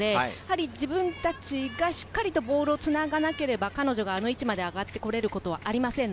自分たちがしっかりボールをつながなければ、彼女があの位置まで上がって来られることはありません。